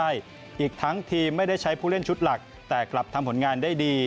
อีกทั้งทีมไม่ได้ใช้ผู้เล่นชุดหลักแต่กลับทำผลงานได้ดี